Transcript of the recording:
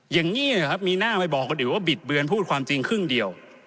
อย่างนี้นะครับมีหน้าไปบอกกันอีกว่าบิดเบือนพูดความจริงครึ่งเดียว